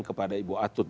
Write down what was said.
kepada ibu atut